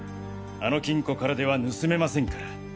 あの金庫からでは盗めませんから。